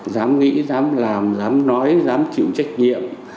dám nghĩ dám làm dám nói dám chịu trách nhiệm